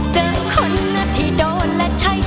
เจอคนอาทิโดนและใช้